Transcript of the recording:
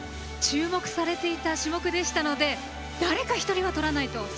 注目されていた種目でしたので誰か１人はとらないと。